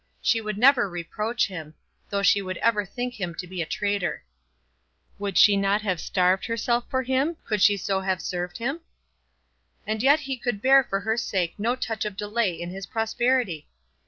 She would never reproach him, though she would ever think him to be a traitor. Would not she have starved herself for him, could she so have served him? And yet he could bear for her sake no touch of delay in his prosperity!